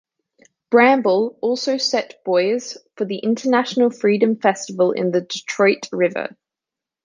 "Bramble" also set buoys for the International Freedom Festival in the Detroit River.